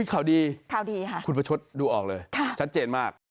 ข่าวดีค่ะคุณพชชดดูออกเลยชัดเจนมาก